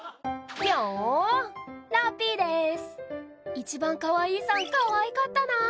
いちばんかわいいさん、かわいかったな。